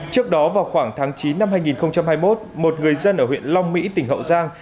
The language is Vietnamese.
trước đó vào khoảng tháng chín năm hai nghìn hai mươi một một người dân ở huyện long mỹ tỉnh hậu giang